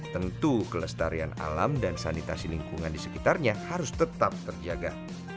tentu kelestarian alam dan sanitasi lingkungan di sekitarnya harus tetap terjaga